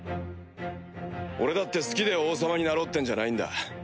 俺だって好きで王様になろうってんじゃないんだ。